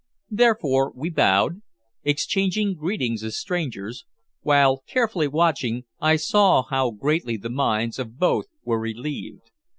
Therefore we bowed, exchanging greetings as strangers, while, carefully watching, I saw how greatly the minds of both were relieved.